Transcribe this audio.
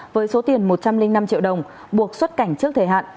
với số tiền một trăm linh năm triệu đồng buộc xuất cảnh trước thời hạn